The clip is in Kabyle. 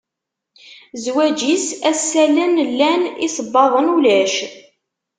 Zwaǧ-is, assalen llan, isebbaḍen ulac.